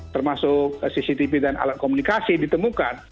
termasuk cctv dan alat komunikasi ditemukan